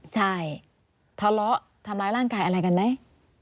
ใช่ทะเลาะทำร้ายร่างกายอะไรกันไหม